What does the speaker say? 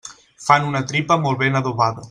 Fan una tripa molt ben adobada.